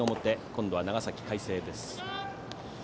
今度は長崎・海星です。